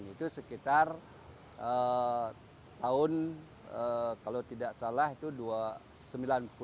itu sekitar tahun kalau tidak salah itu sembilan puluh an